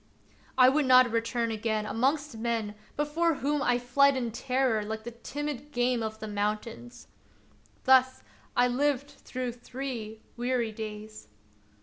I would not return again amongst men before whom I fled in terror like the timid game of the moun tains. Thus I lived through three weary days.